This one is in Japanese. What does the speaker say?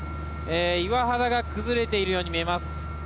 岩肌が崩れているように見えます。